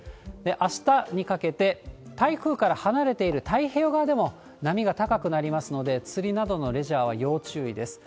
明日にかけて、台風から離れている太平洋側でも波が高くなりますので、釣りなどのレジャーは要注意です。